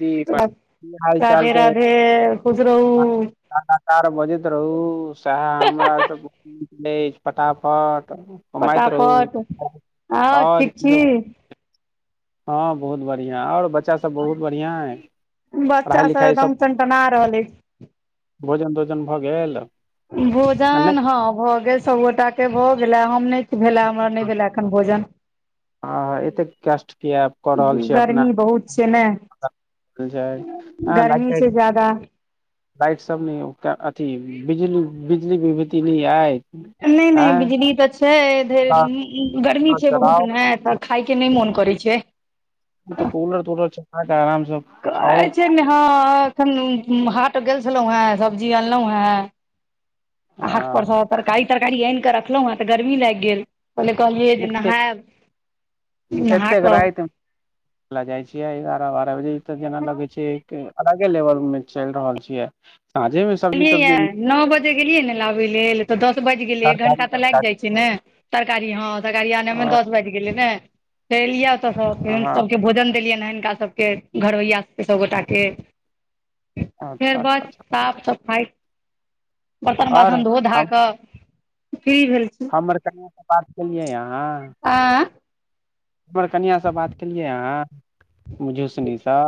जी हाल राधे चालके राधे खुश रहू लगातार बजैत रहू सएह हमरा से फटाफट कमइत रहू फटाफट हँ आओ ठीक छी हाँ बहुत बढ़िआँ और बच्चा सभ बहुत बढ़िआँ अइ पढ़ाइ लिखाई सभ चे [unintelligible] भोजन तोजन भऽ गेल नहि भोजन हँ भऽ गेल सभगोट के भऽ गेला हम नहि भेले हमरा नहि भेला न भोजन हँ एतेक कष्ट किए कऽ रहल छी अपना गर्मी बहुत छै ने जा हँ लाग गर्मी छै ज्यादा लाइट सब नहि अथी बिजी बिजली विभूति नहि अछिय नहि नहि बिजली त छै धराधरगर्मी छै चलाउ बहुत ने खाइके नहि मन करै छै ई तऽ कूलर तूलर चकाक आरामसँ करै खाउ छै नेहँ हाट गेल छलौं हें सब्जी अनलहुॅं हें आ हाट परस तरकारी तरकारी आनि कऽ रखलहुँ हँ तऽ गर्मी लागि गेल पहिले कहलियै जे एतेक नहायब नहा एतेक कऽ राति लऽ जाइ छियै एगारह बारह बजे तऽ जेना लगैत छै अलगे लेवल में चलि रहल छीयै साँझे में कहलियै नओ बजे गेलियै ने लाबै लेल तऽ दस बाजि गेलै एक तरकारी घण्टा तऽ लागि तरकारी जाइ छै ने तरकारी हँ तरकारी आनयमे दस बाजि गेलै ने च एलियै ओतऽ फ हँ सबके भोजन दियनि ने हिनका सभ घरवैय सबगोट के अच्छा फेर अच्छा बस अच्छा साफ ख बर्तन आओर बासन धो धा कऽ फ्री भेल छी हमरा कनिया है बात केलिय आहा आ हमर कनिआासँ बात केलियै अाँ मझूसनीसँ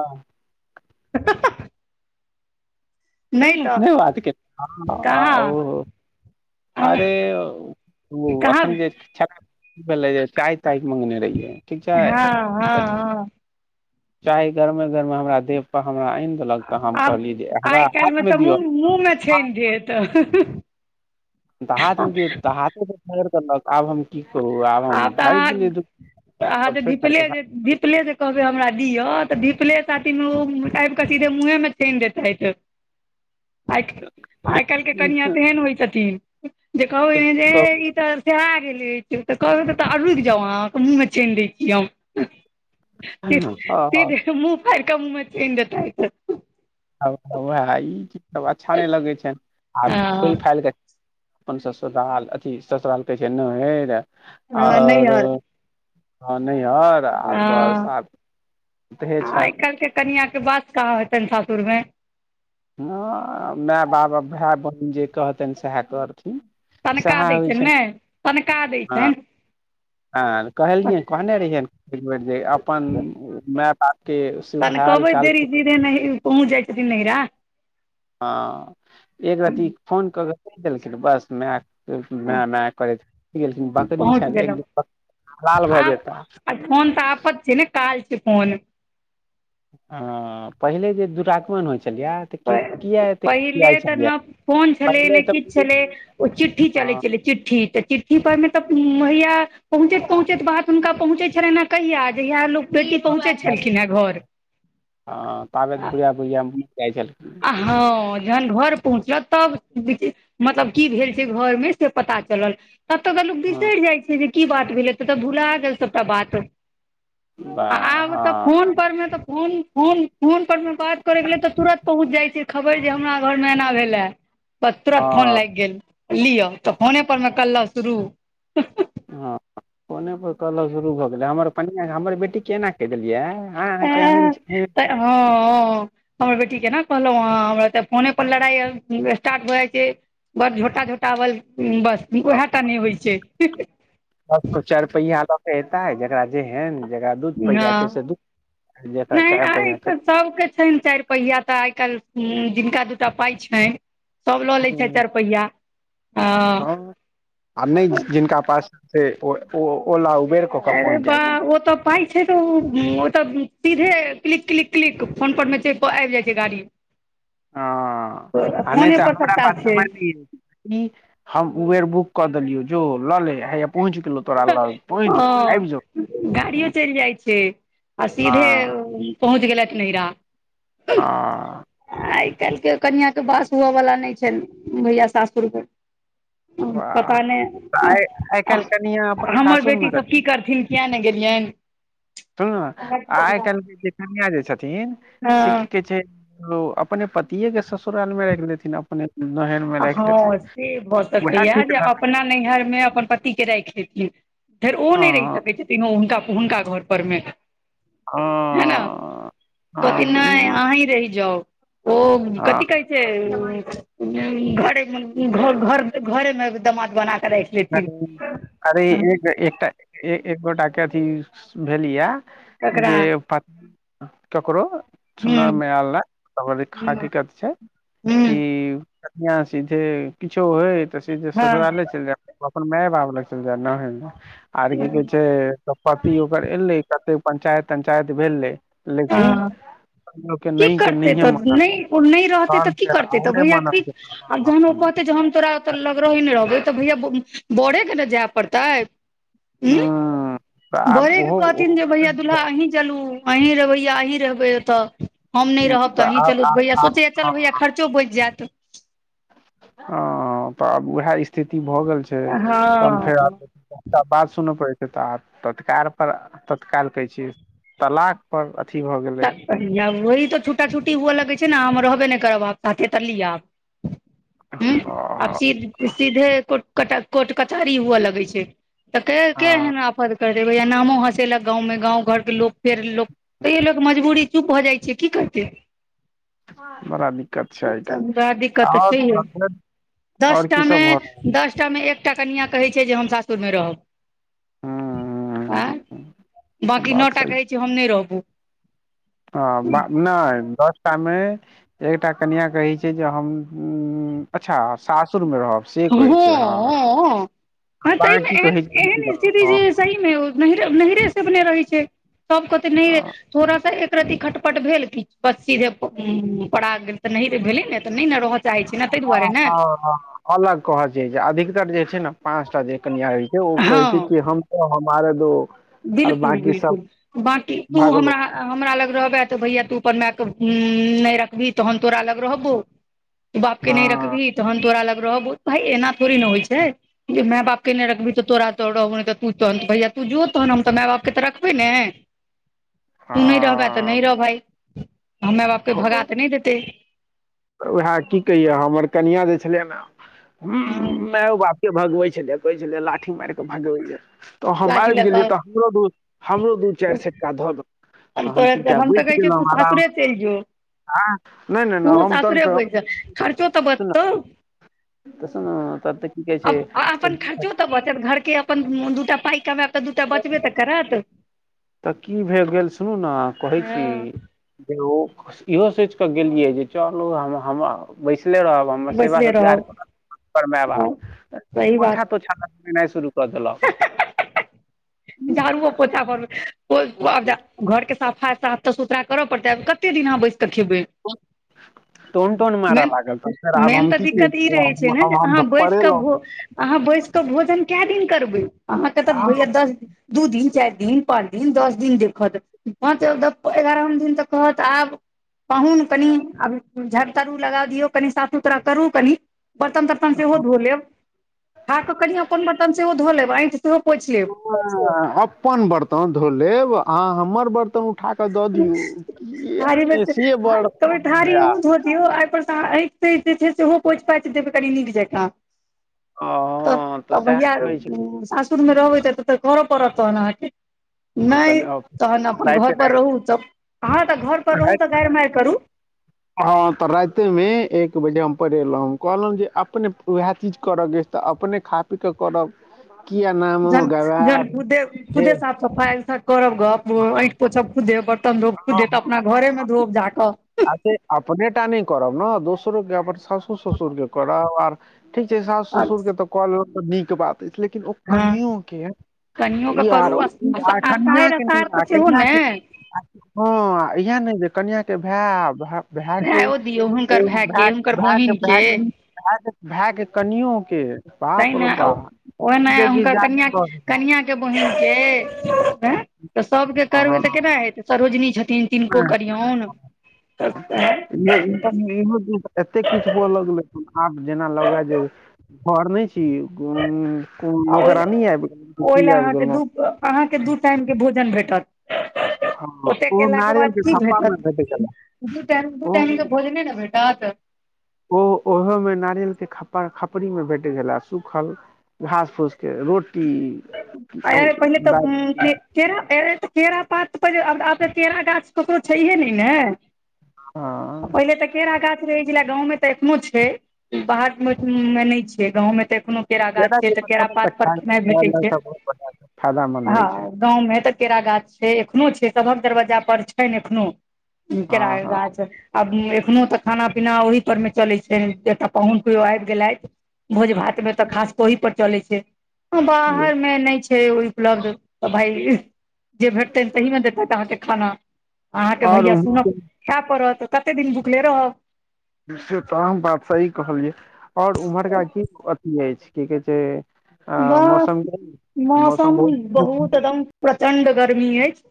[inaudible] नहि बात कहाँ हम अरे ओ कहाँ एखन जे छ बोलीए चाय ताय मगने रहिए ठीक छै हँ हँ हँ चाहे गरमे गरमे हमरा देवप हमरा आनि देलक तऽ हम कहली जे हमरा मे दिअ मुहमे छै हाथ ने तऽ थक आब हम की कहू आब हम तऽ बाजि अहाँ देलियै छोड़ि छाड़िकऽ दीप ले न कहबै हमरा दिअ तऽ दीपले साथी मे ओ ब कऽ सीधे मुँहे मे छानि देैते आ आइ काल्हि के कनिआ तेहन होइ छथिन जे कहू ने जे इतर सेह गेल [unintelligible] तऽ कहबै त तऽ रुकि जाउ अहाँके मुँहमे चानि दै छीिय हम सी सीधे मुंह फार कऽ मुंह छइन ह उएह ई चीजसभ अच्छा नहि लगै छ आ हँ फुलि फालि कऽ अपन ससुराल अथि ससुराल कहै छै [unintelligible] नहेर हँ आओर नैहर हँ नैहर आर हँ बरसा अतहे छथि कनियां क बास कहाँ होइ छनि सासुरमे। हँ माय बाप भाय बहिन जे कहतेन सेहे करथिन तनका सएह दै होइ छनि छैन ने तनका दै हँ छनि आर कहलियनि कहने रहियै एक बेर जे अपन माय बाप के [unintelligible] हाल चाल पू से नहि पहुँ जाइ छै छथिन नहिरा हँ, एक रती फोन कऽ क कहि देलखिन, बस माय। माय माय करैत किन बक [unintelligible] री पहुँच छनि एक गेलहुँ द लाल भऽ आब जेताह आ फोन तऽ आफत छै ने काल छै फोन ह पहिले जे दुराकमन होइ छलैया पहिले तऽ न फोन छलै ने पहिले किछ छलै तऽ ओ चिठ्ठी चलै हँ छलै चिठ्ठी तऽ चिठ्ठी पढ़मे तऽ महिया पहुँचैत-पहुँचैत बात हुनका पहुँचैत छलनि, कहिया जेहिया लोक बेटी पहुँचैइ छलखिन हे घर [unintelligible] जाय छलखीन। आ हँ जहन घर पहुँचत तब [unintelligible] मतलब की भेल छै घर मे से पता चलल तब तऽ लोक हँ बिसरि जाइ छै जे की बात भेलै त तऽ भुला गेल सबटा बात आ वाह आब तऽ हँ फोन पर मे तऽ फो फोन फोन पर मे बात करैके लेल तऽ तुरंत जाइत छै खबर जे हमरा घर मे एना भेलाऽ त तुरत फोन लागि हँ गेल। लिअ तऽ फोने पऽर मे कलह शुरू ह फोने पर कलह शुरू भऽ गेलै हमर कनिआँ हमर बेटीे के एना कहि देलियै हां आहाँ केहन छी हां हां। हमर बेटी के न कहलौं ह हमरा तऽ फोने पर लड़ाइ स्टार्ट भए जाइ छै बड़ झोटा झोटावल बस उएह टा नहि होइत छै सब कोई चार पैहिया लऽ के एतै जेकरा जेहन जेकरा दूध पहिआ छै हँ से दूध ज चाय पहिआ सभ के छैन चाइर पहिया तऽ आइ काल्हि जिनका दूटा पाइ छन सब लऽ लै छै चार पहिया ह नका पास से ओ ओ ओ ला ऽ उबेर कऽ कऽ अरे पहुँच बा जाइ छथि ओ तऽ। पाइ छै तऽ ओतऽ सीधे क्लिक क्लिक क्लिक फोन पर मे आबि जाइ छै गाड़ी ह आ नहि फोने तऽ पर हमरा सबटा पास सम छै [unintelligible] र नहि य ई हम उबेर बुक कऽ देलियो जो लऽ ले हया पहुँच गेलो ओ गाड़ीयो हँ चलि जाइ छै आ सीधे हँ पहुँच गेलथि नैहरा आ [unintelligible] आइ काल्हि के कनिआँ के वास हुअवाला नहि छैन भैया सासुर में वाह पता तऽ नहि आइ आइ काल्हि [unintelligible] कनिया अपन हमर बेटी सासुरमे कथी सभ की करथिन, किएक नहि गेलियनि? हुँ आ आइ काल्हिके जे कन्या जे छथिन से हँ की कहै छै ओ अपने पतिये के ससुरालमे राखि लेथिन अपने हेन [unintelligible] आ हँ से भऽ सकैया जे रहत अपना नैहर में अपन पति के राखि एती धैर ओ नहि रहि हँ सकै छथि हुनका हुनका घर पर मे। है न हँ कहथि हँ ई नहि अही रहि जाउ ओ हँ कथि कहै छै घरे-घर, घरेमे दमाद बना कऽ। [unintelligible] अरे एक एकटा एक गोटाके अथी भेलि हऽ जे ककरा प ककरो हूँ सुनो मे आइल तब अभी हूँ हकीकत छै हूँ कि याँ सीधे किछो हय त सीधे हँ ससुरालय चल जाय अपन माय बाप लग चल जा न ह आर की कहै छै पति ओकर एलै पञ्चायत तं्चायत भेल रहै लेकिन हँ के की नहि के करतै नहिये तऽ मानल नहि ओ नहि रहतै तहन तऽ की फेर करतै तऽ आउरे भैया की आ जहन ओ मानल कहतय जे हम तोरा तमंत्री लग रहबै नेकरबो तभैया बरेके ने जाइ पड़तै। हँ, हूँ तऽ ओ आब बड़के ओहो ओहो कहथिन जे, कते भैया दिन दूलहा रहत। छथि। चलू अहीं रहबैया अहीं रहबै ओत हम नहि हूँ, रहब तऽ त हीं आब चलू आब भैया आब सोचैया चल हँ भैया खर्चो बचि जायत हँ तऽ आब उएह स्थिति भऽ गेल छै तहन हँ फेर आब त बात सुनय पड़ै छै त तत्काल पर तत्काल कहै छियै तलाक पर अथी भ गेलै वहीं त छुटा छुटी हुआ लगै छै ने हम रहबे नहि करब आब साथे त लियै आब है आब हँ सीधे कोट कचहरी हुए लगै छै तऽ के-केे हँ, एहन आपत कर देबै ओ नामो हँसेलक, गाममे गाम, घरक लोक फेर लोक तैँ। [inaudible] मजबूरी चुप भ नहीं जाइ छै की करतै। बड़ दिक्कत छै आइके आर दसटामे दसटामे एकटा कनिआँ कहैत छथि जे हम सासुरमे रहब। आ हूँ बकी न बात टा सही कहै छै हम नहि रहबू ह नहि दस। [unintelligible] मे एकटा कनिया कहै छै जे हम्म अच्छा सासुर में रहब से कहै छै हँ तहिमे बाँकी कहै छै एहन-एहन स्थिति हँ जे सही नहिरे सबने रहै छै सब कहे हँ थोड़ा सा खटपट भेल कि सीधै पड़ि गेल, ने ने रह। हँ अलग कहऽ जा जे अधिकतर जे छै ने पाँचटा जे कनिया होइ छै ओ कहै छै हँ कि हम ओ हमरें दो। आर बिलकुल बाकी सब बिलकुल बकी तू भागलो हमरा हमरा लग रहबह त भैया तू अपन मायके नहि रखबही तहन तोरा लग रहबौ तू बाप के हँ नहि रखबि तहन तोरा लग रहबु भाई एना थोड़ी ने होइ छै मैं बाप के नहि रखबी तऽ तोरा तो भैया तू जो तहन हम तऽ माय बापके तऽ रखबै ने तू नहि रहबै तऽ हँ नहि रह भाई हं मैाय बापके भगा त नहि देते उएह की कहिये हमर कनिआ जे छलयै ने हँ मेयो बाप के के भगबै छलै कहै छलै लाठी मारि केे भगबैय तऽ हम लाठी आबि लऽ गेलियै तऽ कऽ हमरो दू चारि सट्का धऽ तऽ हम तोरा चुपचाप तऽ बैस कहै छियौ गेलहुँ तू आराम सासुरे चलि नहि नहि नहि हम प तहन फेर पै खर्चो तऽ सुन बचत [inaudible] [unintelligible] तऽ देख अपन खर्चो त बचत घरके अपन दूटा पाइ कमायब त दूटा बचबे त करत तऽ की भ गेल सुनू ने कहैत छी हँ जे ओ इहो सोचिक गेलियै जे चलू, हम बैसले रहब। हमर सेवा बैसले सत्या रहब तोहर माय बाप सही बात पोछा तोछा खेनाय शुरू कऽ देलकऽ झाड़ूओ पोछा करू हँ [unintelligible] घरके सफाई साफ तऽ सुथरा करऽ पड़तै आब कते दिन अहाँ बैस कऽ खेबै ओ [unintelligible] टोन टोन मारय मेन लागल तऽ फेर आब मेन हम तऽ की दिक्कत ई करितौं रहै तऽ छै ने जे मतलब हम अहाँ बैस कऽ परेलहुं भो अहाँ बैस क भोजन कै दिन करबै अहाँ के तऽ होइया दस दिन दू दिन चारि दिन पाँच दिन दस दिन देखतऽ हं तऽ ओतऽ एगारहम दिन तऽ कहत आब पाहुन कनि आब झारू तारू लगा दियौ कनि साफ सुथरा करू कनि बर्तन तर्तन से हो धो लेब खा कऽ कनि अपन बर्तन से हो धो लेब अंइठ अपन बर्तन धो लेब आ हमर बर्तन उठा कऽ दऽ दियौ कि थारी नहि से [unintelligible] बड़ आ कि यौ आइपर आँठि जे छै सेहो पोछि पाछि देबै कनि नीक जकां तऽ हँ तऽ सएह भैया कहै छै सासुर मे रहबै तऽ तऽ तऽ करऽ पड़त तहन अहाँ के नहि तहन अपन राति घर पर रहू तऽ अहाँ तऽ घर पर रहू तऽ गारि मारि करू हाँ तऽ रात्रि मे एक बजे हम परेलहुँ कहलहुँ जे अपने उएह चीज करय के तऽ अपने खा पीक कऽ करब किया नामो गमायब जे सफाई करब गप ऐंठि पोछब खुदे बर्तन धोब खुदे तऽ अपना ह घरेमे धोब जाकऽ [unintelligible] अप अपने टा नहि करब ने दोसरो के अपन साउसो ससुरके करब आ ठीक छै सास ससुर के तऽ कऽ लेलहुँ तऽ नीक बात अछि लेकिन ओ हँ कनियो कऽ के कनियो तऽ के ई करू आर कनीयाँ आषाढ़ि के असार तऽ सेहो ने कनीआँ हँ इहै ने जे कनिआके भाय भैय के भायो दियौ हुनकर भै भाय के भऽ हुनकर भाएके बहिन के भै भैय के कनियो के तऽ बाप रौ ने ओना बाप ओ नया देखी हुनकर जादे कनियाँ के भ गेल कनीयाँ के गे बहिन के तऽ सब के करबै हँ तऽ केना हेतै सरिहोजनी छथिन तिनको करिऔन तऽ एहि एतेक किछु हुआ लगलै आब जेना लग जे घर नहि छी गुम नौकरानी आबि गेल ओहि की आबि अहाँके गेलहुँ दू दू टाइम के भोजन भेटत हँ ओते ओ केलाक के नारियल बाद की खप्पा भेटत मे भेट गेला दू टाम दू ओ टाइम के भोजने ने भेटत ह तऽ ओ ओहोमे नारियलके खप्पा खपरीमे भेट छलए सुखल घास फूस के रोटी की कहू आय पहिले तऽ दालि हे के केरा पात पर आब तऽ केरा गाछ ककरो छैहे नहि ने हँ पहिले तऽ केरा गाछ रहै छलै गांव मे तऽ एखनों छै बाहर मे मे न छै गांव मे तऽ एखनो केरा गाछ छै के तऽ पत्ता केरा त पात पर खाय नहि भेटै खायला छै तऽ बहुत बढ़िया फायदामन्द हँ होइ छै गाँव मे तऽ केरा गाछ छै एखनो छै सबहक दरवाजा पर छै एखनो केड़ा हँ के हँ गाछ आब एखनो तऽ खाना पीना ओहि पर मे चलैत छै एकटा पाहुन किओ आबि गेलथि भोज भात मे तऽ खास ओहि पर चले छै घर बुझ- मे नहि छै उपलब्ध तऽ भई जे भेटतनि तहीमे देतथि अहाँके खाना अहाँके आओर भैया उम्हर सुनब खाय पड़त तऽ कते दिन भुखले रहब नि तऽम बात सही कहलियै आओर उम्हरका की अथी अछि की कहै छै अ बस मौसम के मौसम बहुत एकदम प्रचंड गर्मी अछि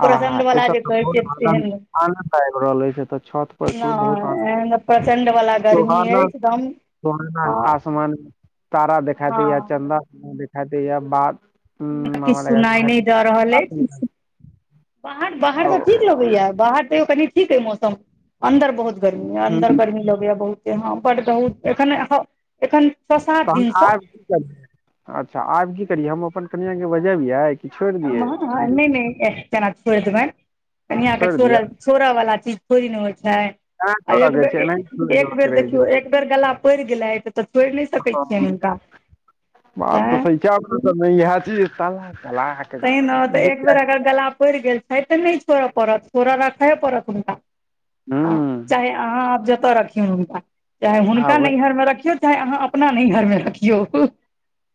[inaudible] [unintelligible] आ प्रचंड एतय वला तऽ बहुत गर्मी आनन्द आनन्द आबि रहल अछि एतऽ छत पर छी बहुत आनन्द अछि सोहाना एकदम आ आसमान तारा दिखाे या चन्दा हँ दिखाय दै यऽ बाद किछु सुनाइ नहि दऽ रहल अछि [unintelligible] बाहर बाहर तऽ ठीक लगै या बाहर तयो कनि ठीक अइ मौसम अन्दर बहुत गर्मी यऽ अन्दर हूँ गर्मी लगैया बहुते हऽ बहुतै एखन एखन छओ सात तहन दिनसँ आब की कर अच्छा आब की करियै हम अपन कनिआके बजबियै ह नहि नहि जेना छोड़ि देबनि कनिया के छोड़ि दियै छोड़ल छोड़अ वाला चीज थोड़ी न होई छै एना आ छोड़ऽ एक के छै एनाही बेर छोड़ि एक देबऽ बेर के रहै देखियो एक बेर गला पड़ि गेलैथ तऽ छोड़ि नहि छै सकैत छियैन हुनका [inaudible] आँय [unintelligible] तहि ने तऽ एक बेर अगर गला पड़ि गेल छै तऽ नहि छोड़य पड़त छोड़ऽ राखहे पड़त हुनका हूँ चाहे अहाँ आब जतऽ रखियौ हुनका चाहे हँ हुनका वैह नैहरमे रखियौ चाहे अहाँ अपना नैहरमे रखियौ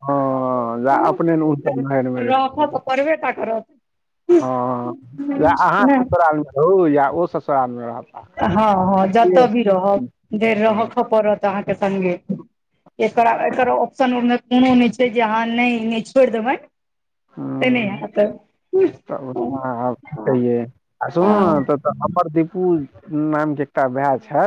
हाँ जा अपने [unintelligible] नहियर मे रहे रखअ तऽ परबे टा करत हाँ अहाँ नहि ससुराल मे रहूँ या ओ ससुराल मे रहब हाँ हाँ जतऽ भी रहब देर रहके पड़त अहाँ के संगे एकरा एकर ऑप्शन ओहि मे कोनो नहि छै जे अहाँ नहि नइ छोड़ि देबेन हु तऽ आ हैत कहियै आ सुनु नै तऽ हमर दिपू नाम के एकूटा भैय छैथ